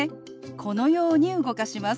このように動かします。